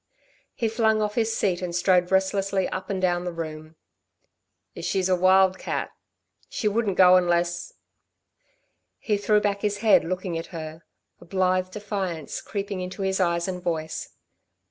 He flung off his seat and strode restlessly up and down the room. "She's a wild cat. She wouldn't go unless " He threw back his head looking at her, a blithe defiance creeping into his eyes and voice.